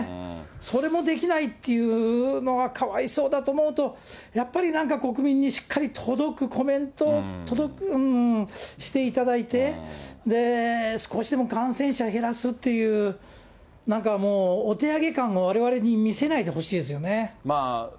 それもできないっていうのは、かわいそうだと思うと、やっぱりなんか、国民にしっかり届くコメントを、届くようにしていただいて、少しでも感染者減らすっていう、なんかもう、お手上げ感をわれわれに見せないでほしいですよね。